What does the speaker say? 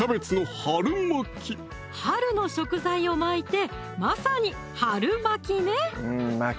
春の食材を巻いてまさに春巻きね